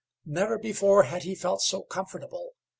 Never before had he felt so comfortable.